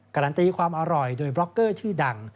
การันตีความอร่อยโดยบล็อกเกอร์ชื่อดัง